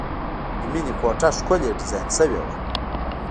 د مینې کوټه ښکلې ډیزاین شوې وه